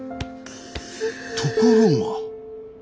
ところが。